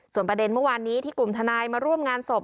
ส่วนประเด็นเมื่อวานนี้ที่กลุ่มทนายมาร่วมงานศพ